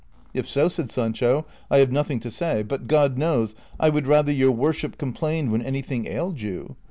" If so," said Sancho, " I have nothing to say ; but God knows I would rather yoiir Avorship complained when anything •ailed you.